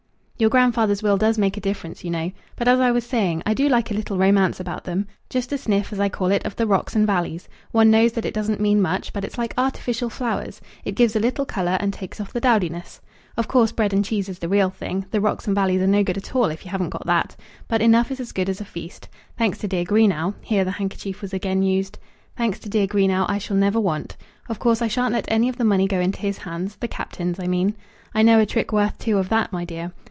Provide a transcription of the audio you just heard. "Your grandfather's will does make a difference, you know. But, as I was saying, I do like a little romance about them, just a sniff, as I call it, of the rocks and valleys. One knows that it doesn't mean much; but it's like artificial flowers, it gives a little colour, and takes off the dowdiness. Of course, bread and cheese is the real thing. The rocks and valleys are no good at all, if you haven't got that, But enough is as good as a feast. Thanks to dear Greenow," here the handkerchief was again used "Thanks to dear Greenow, I shall never want. Of course I shan't let any of the money go into his hands, the Captain's, I mean. I know a trick worth two of that, my dear.